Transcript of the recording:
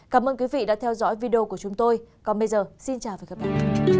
cảm ơn quý vị đã theo dõi video của chúng tôi còn bây giờ xin chào và hẹn gặp lại